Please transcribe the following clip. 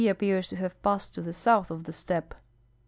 appears to have passed to the south of the steppe."